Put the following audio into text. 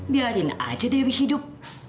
biarin aja dewi hidup